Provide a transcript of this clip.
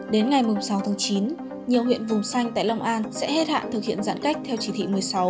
đến ngày sáu tháng chín nhiều huyện vùng xanh tại long an sẽ hết hạn thực hiện giãn cách theo chỉ thị một mươi sáu